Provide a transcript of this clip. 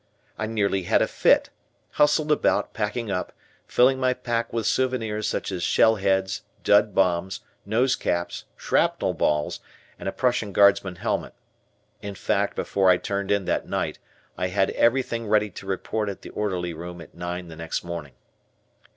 I nearly had a fit, hustled about, packing up, filling my pack with souvenirs such as shell heads, dud bombs, nose caps, shrapnel balls, and a Prussian Guardsman's helmet. In fact, before I turned in that night, I had everything ready to report at the Orderly Room at nine the next morning.